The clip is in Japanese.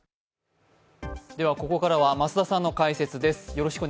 ここからは増田さんの解説です。